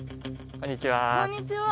こんにちは。